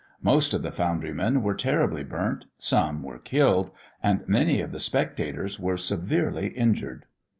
Most of the foundrymen were terribly burnt; some were killed; and many of the spectators were severely injured.